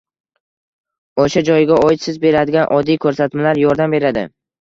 o‘sha joyga oid siz beradigan oddiy ko‘rsatmalar yordam beradi.